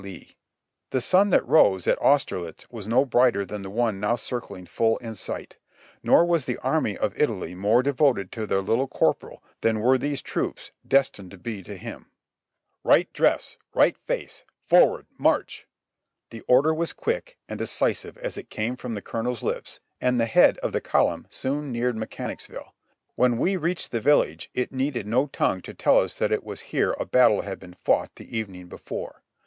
Lee. The sun that rose at Austerlitz was no brighter than the one now circling full in sight; nor was the army of Italy more de voted to their little Corporal than were these troops destined to be to him. HOT TIMES AROUND RICHMOND 169 ''Right dress! Right face! Forward, march!" The order was quick and decisive as it came from the colonel's lips, and the head of the column soon neared Mechanicsville. When we reached the village it needed no tongue to tell us that it was here a battle had been fought the evening before.